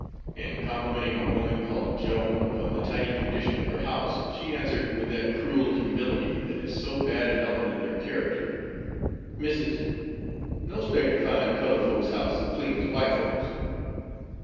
In complimenting a woman, called Joan, upon the tidy condition of her house, she answered, with that cruel humility that is so bad an element in their character, 'Missis no 'spect to find coloured folks' house clean as white folks.'